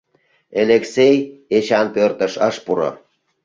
Элексей Эчан пӧртыш ыш пуро.